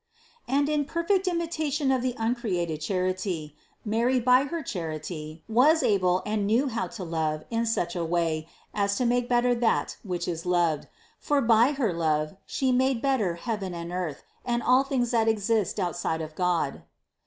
And in perfect imitation of the uncreated Charity, Mary by her charity was able and knew how to love in such a way as to make bet ter that which is loved ; for by her love She made better heaven and earth and all things that exist outside of God.